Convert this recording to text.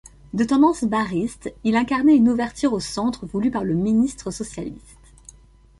De tendance barriste, il incarnait une ouverture au centre voulue par le ministre socialiste.